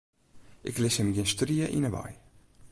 Ik lis him gjin strie yn 'e wei.